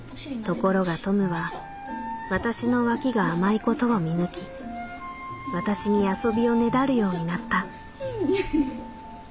「ところがトムは私の脇が甘いことを見抜き私に遊びをねだるようになった」。